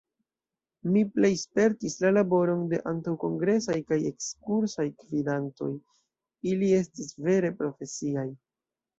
Mi plej spertis la laboron de antaŭkongresaj kaj ekskursaj gvidantoj: ili estis vere profesiaj.